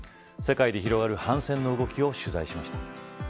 世界で広がる反戦の動きを取材しました。